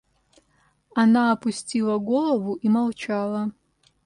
Она опустила голову и молчала.